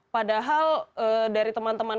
padahal dari teman teman